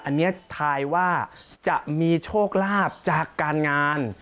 อันนี้ทายว่าจะมีโชคลาภจากการงาน